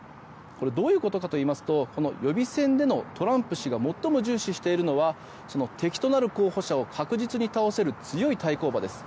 これどういうことかといいますと予備選でのトランプ氏が最も重視しているのは敵となる候補者を確実に倒せる強い対抗馬です。